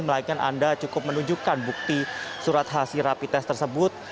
melainkan anda cukup menunjukkan bukti surat hasil rapi tes tersebut